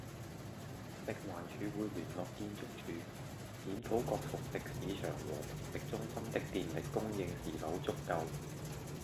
食環署會聯絡建築署，檢討各熟食市場和熟食中心的電力供應是否足夠